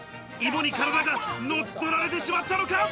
芋に体が乗っ取られてしまったのか？